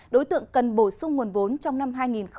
đối tượng cần bổ sung nguồn vốn trong năm hai nghìn hai mươi